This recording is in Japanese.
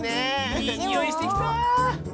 いいにおいしてきた。